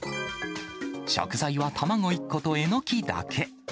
食材は卵１個とえのきだけ。